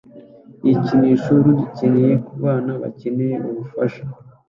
yikinisho rudukeneye kubana bakeneye ubufasha